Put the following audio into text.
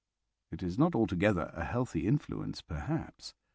It is not altogether a healthy influence, perhaps.